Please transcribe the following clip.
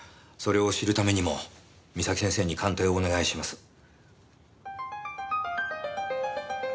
それを知るためにも岬先生に鑑定をお願いします。